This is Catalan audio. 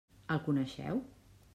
El coneixeu?